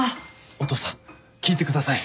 お父さん聞いてください！